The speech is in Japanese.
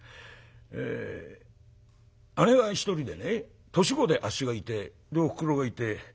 姉は一人でね年子であっしがいてでおふくろがいて。